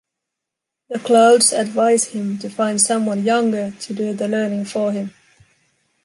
The Clouds advise him to find someone younger to do the learning for him.